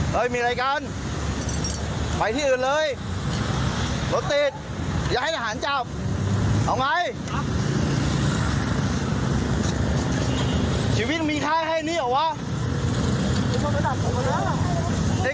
ขึ้นดิพ่อแม่ยังดูยังไงกันวะเฮ้ย